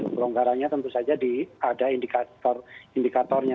pelonggarannya tentu saja ada indikatornya